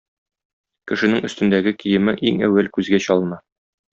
Кешенең өстендәге киеме иң әүвәл күзгә чалына.